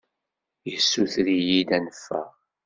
Yessuter-iyi-d ad neffeɣ.